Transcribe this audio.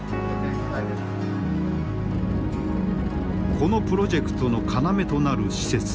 このプロジェクトの要となる施設。